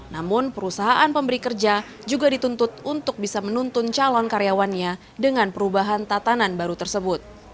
namun perusahaan pemberi kerja juga dituntut untuk bisa menuntun calon karyawannya dengan perubahan tatanan baru tersebut